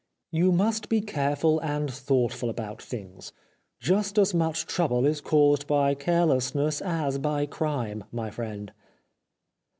You must be careful and thought ful about things. Just as much trouble is caused by carelessness as by crime, my friend."